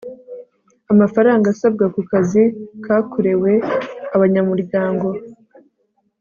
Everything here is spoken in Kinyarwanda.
amafaranga asabwa ku kazi kakorewe abanyamuryango